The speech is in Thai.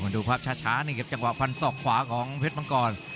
ดูภาพช้านี่ครับจังหวะฟันศอกขวาของเพชรมังกร